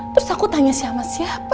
terus aku tanya siapa